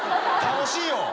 楽しいよ。